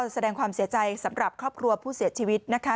แสดงความเสียใจสำหรับครอบครัวผู้เสียชีวิตนะคะ